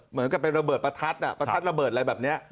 เหมือนกับเป็นระเบิดประทัดประทัดระเบิดอะไรแบบนี้